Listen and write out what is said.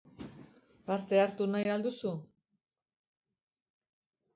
Parte hartu nahi al duzu?